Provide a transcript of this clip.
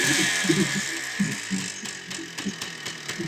各道观举行早晚课的时间安排不尽相同。